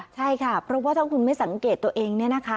ใช่ค่ะเพราะว่าถ้าคุณไม่สังเกตตัวเองเนี่ยนะคะ